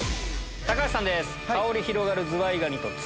橋さんです。